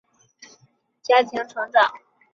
怀特在纽约市皇后区一个工人阶级家庭成长。